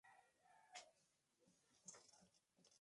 Finalmente, la tribu celta se rendía sin condiciones a Roma.